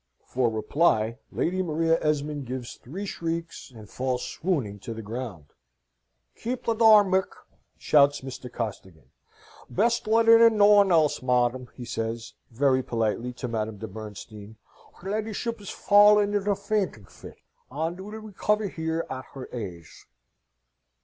For reply Lady Maria Esmond gives three shrieks, and falls swooning to the ground. "Keep the door, Mick!" shouts Mr. Costigan. "Best let in no one else, madam," he says, very politely, to Madame de Bernstein. "Her ladyship has fallen in a feenting fit, and will recover here, at her aise."